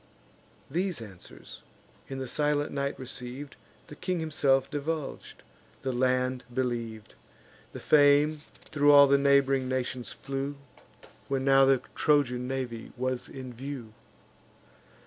These answers, in the silent night receiv'd, The king himself divulg'd, the land believ'd: The fame thro' all the neighb'ring nations flew, When now the Trojan navy was in view.